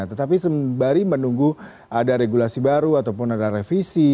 tetapi sembari menunggu ada regulasi baru ataupun ada revisi